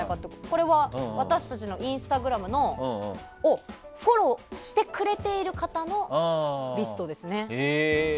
これは私たちのインスタグラムをフォローしてくれている方のリストです。